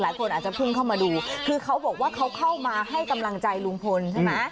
หลายคนอาจจะพุ่งเข้ามาดูคือเขาบอกว่าเขาเข้ามาให้กำลังใจลุงพลใช่ไหม